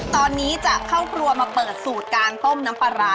ตอนนี้จะเข้าครัวมาเปิดสูตรการต้มน้ำปลาร้า